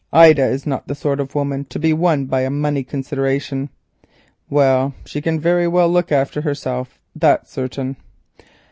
Ida is not the sort of woman to be won by a money consideration. Well, she can very well look after herself, that's certain.